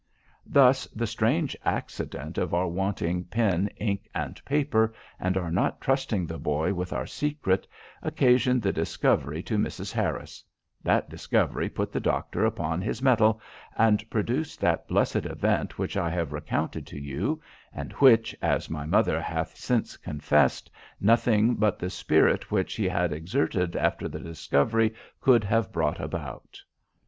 "Thus the strange accident of our wanting pen, ink, and paper, and our not trusting the boy with our secret, occasioned the discovery to Mrs. Harris; that discovery put the doctor upon his metal, and produced that blessed event which I have recounted to you, and which, as my mother hath since confessed, nothing but the spirit which he had exerted after the discovery could have brought about.